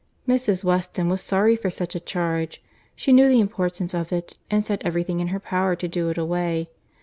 Mrs. Weston was sorry for such a charge. She knew the importance of it, and said every thing in her power to do it away.